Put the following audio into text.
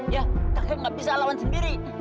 ya kakek gak bisa lawan sendiri